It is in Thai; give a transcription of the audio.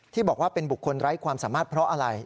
ที่บอกว่าเป็นบุคคลไร้ความสามารถเพราะอะไร